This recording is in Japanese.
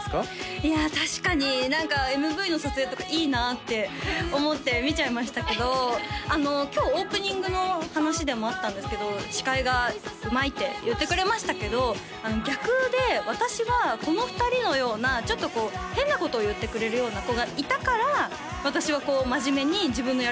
いや確かに何かＭＶの撮影とかいいなって思って見ちゃいましたけど今日オープニングの話でもあったんですけど「司会がうまい」って言ってくれましたけど逆で私はこの２人のようなちょっとこう変なことを言ってくれるような子がいたから私はこう真面目に自分のやることができたんですけど